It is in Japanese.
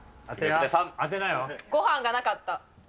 ごはんがなかった。